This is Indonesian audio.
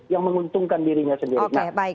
yang menguntungkan dirinya sendiri